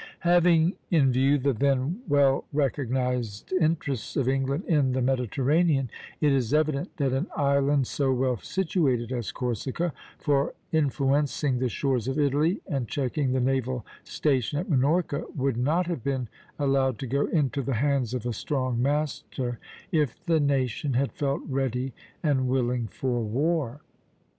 " Having in view the then well recognized interests of England in the Mediterranean, it is evident that an island so well situated as Corsica for influencing the shores of Italy and checking the naval station at Minorca, would not have been allowed to go into the hands of a strong master, if the nation had felt ready and willing for war.